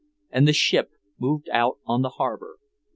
And the ship moved out on the harbor.